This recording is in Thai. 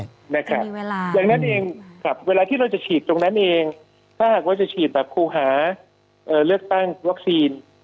ดังนั้นเองเวลาที่เราจะฉีดตรงนั้นเองถ้าหากว่าจะฉีดแบบครูหาเลือกตั้งวัคซีน